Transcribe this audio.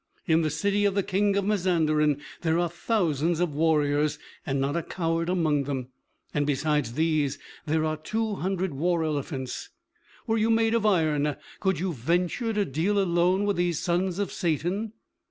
In the city of the King of Mazanderan there are thousands of warriors, and not a coward among them; and besides these, there are two hundred war elephants. Were you made of iron, could you venture to deal alone with these sons of Satan?"